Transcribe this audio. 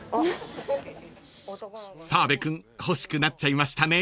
［澤部君欲しくなっちゃいましたね］